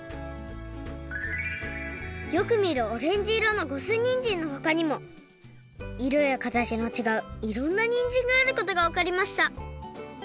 よくみるオレンジ色の五寸にんじんのほかにもいろやかたちのちがういろんなにんじんがあることがわかりました。